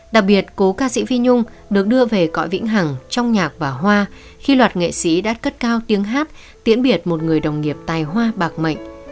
đặc biệt cố ca sĩ vi nhung được đưa về cõi vĩnh hằng trong nhạc và hoa khi loạt nghệ sĩ đã cất cao tiếng hát tiễn biệt một người đồng nghiệp tài hoa bạc mệnh